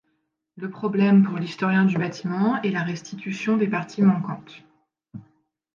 Le problème pour l’historien du bâtiment est la restitution des parties manquantes.